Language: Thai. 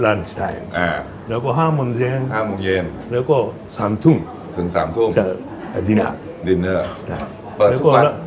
อ่าแล้วก็ห้ามงเย็นห้ามงเย็นแล้วก็สามทุ่มถึงสามทุ่มดินเนอร์ดินเนอร์เปิดทุกวัน